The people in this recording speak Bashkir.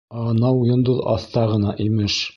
А-анау йондоҙ аҫта ғына имеш.